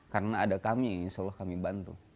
karena ada kami insya allah kami bantu